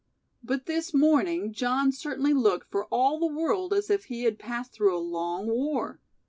But this morning John certainly looked for all the world as if he had passed through a long war.